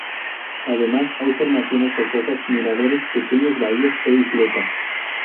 Además, hay formaciones rocosas, miradores, pequeñas bahías e isletas.